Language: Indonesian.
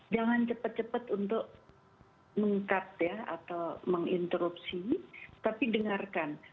jangan cepat cepat untuk meng cut ya atau menginterupsi tapi dengarkan